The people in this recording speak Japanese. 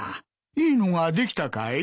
いいのができたかい？